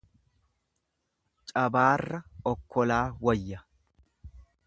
Cabaarra okkolaa wayya.